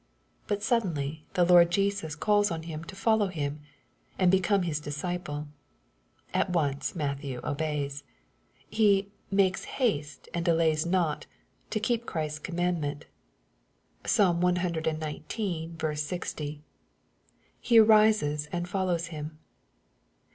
But suddenly the Lord Jesus calls on him to follow Him, and become His disciple. At once Matthew obeys. He " makes haste, and delays not'' to keep Christ's commandment. (PsaL cxix. 60.) He arises and follows Him.